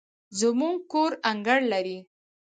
زموږ کور انګړ لري